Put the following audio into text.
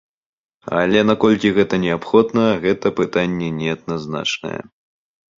Але наколькі гэта неабходна, гэта пытанне неадназначнае.